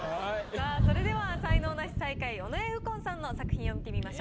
さあそれでは才能ナシ最下位尾上右近さんの作品を見てみましょう。